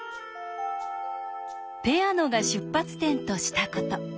ペアノが出発点としたこと。